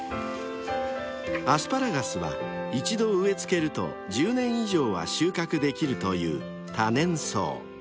［アスパラガスは一度植え付けると１０年以上は収穫できるという多年草］